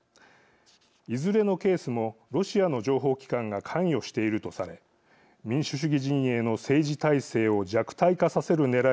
いずれのケースもロシアの情報機関が関与しているとされ民主主義陣営の政治体制を弱体化させるねらいと見られます。